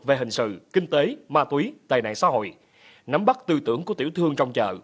về hình sự kinh tế ma túy tài nạn xã hội nắm bắt tư tưởng của tiểu thương trong chợ